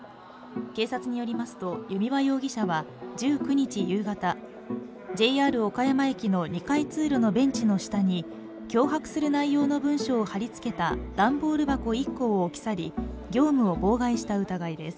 警察によりますと、弓場容疑者は１９日夕方、ＪＲ岡山駅の２階通路のベンチの下に脅迫する内容の文書を貼り付けた段ボール箱１個を置き去り業務を妨害した疑いです。